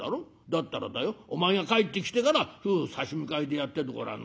だったらだよお前が帰ってきてから夫婦差し向かいでやっててごらん。